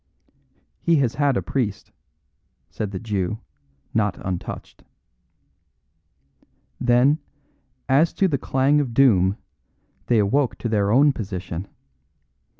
"He has had a priest," said the Jew, not untouched. Then, as to the clang of doom, they awoke to their own position.